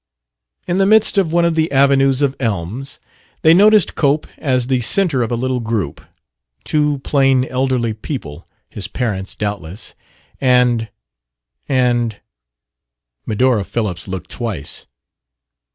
In the midst of one of the avenues of elms they noticed Cope as the center of a little group: two plain, elderly people (his parents, doubtless) and and Medora Phillips looked twice.